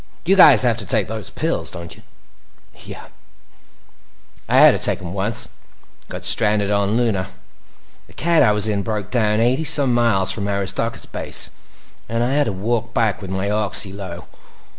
"You guys have to take those pills, don't you?" "Yeah." "I had to take them once. Got stranded on Luna. The cat I was in broke down eighty some miles from Aristarchus Base and I had to walk back—with my oxy low.